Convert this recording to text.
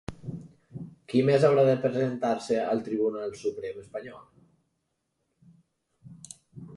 Qui més haurà de presentar-se al Tribunal Suprem espanyol?